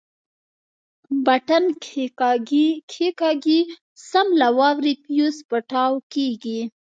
بټن کښېکاږي سم له وارې فيوز پټاو کېږي.